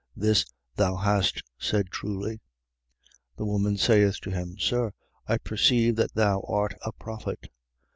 This, thou hast said truly. 4:19. The woman saith to him: Sir, I perceive that thou art a prophet.